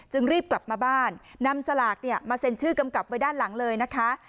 รีบกลับมาบ้านนำสลากมาเซ็นชื่อกำกับไว้ด้านหลังเลยนะคะ